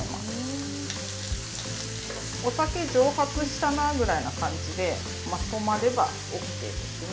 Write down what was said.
お酒蒸発したなぐらいな感じでまとまればＯＫですね。